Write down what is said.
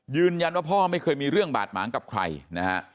ยืนยันว่าพ่อไม่เคยมีเรื่องบาดหมางกับใครนะฮะ